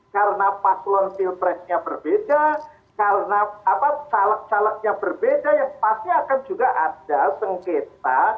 karena paslon pilpresnya berbeda karena caleg calegnya berbeda pasti akan juga ada sengketa